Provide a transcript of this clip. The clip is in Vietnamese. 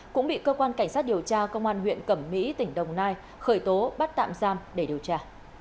cũng bị cơ quan cảnh sát điều tra công an huyện cẩm mỹ tỉnh đồng nai khởi tố bắt tạm giam để điều tra